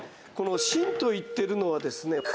この芯といっているのはですね